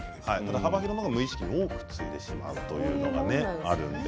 幅広の方が無意識についでしまうということがあります。